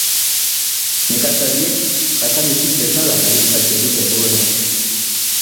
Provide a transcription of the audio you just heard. Nekazariek jasanezin bezala kalifikatzen dute egoera.